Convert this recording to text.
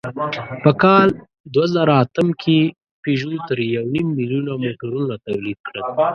په کال دوهزرهاتم کې پيژو تر یونیم میلیونه موټرونه تولید کړل.